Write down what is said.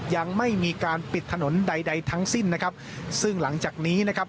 ยังไม่มีการปิดถนนใดใดทั้งสิ้นนะครับซึ่งหลังจากนี้นะครับ